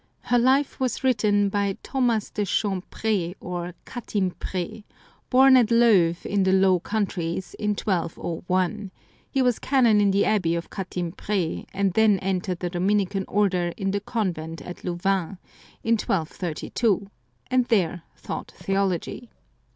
Her life was written by Thomas de Chantpr^, or Catimpr6, born at Leuve in the Low Countries in 1201 ; he was canon in the abbey of Catimpr^, and then entered the Dominican Order in a convent at Louvain, in 1232, and there taught theology.